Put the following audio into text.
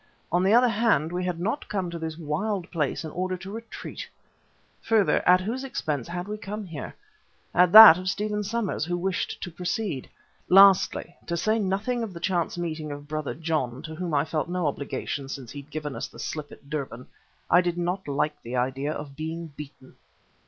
On the other hand, we had not come to this wild place in order to retreat. Further, at whose expense had we come here? At that of Stephen Somers who wished to proceed. Lastly, to say nothing of the chance of meeting Brother John, to whom I felt no obligation since he had given us the slip at Durban, I did not like the idea of being beaten.